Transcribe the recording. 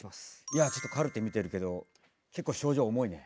いやちょっとカルテ見てるけど結構症状重いね。